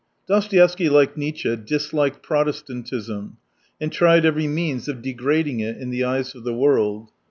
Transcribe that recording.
— 0os toevsky, like Nietzsche, disliked Protest antism, and tried every means of degrading 204 it in the eyes of the world.